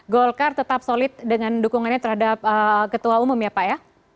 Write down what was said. golkar tetap solid dengan dukungannya terhadap ketua umum ya pak ya